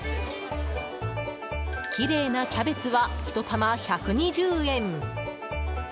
きれいなキャベツは１玉１２０円。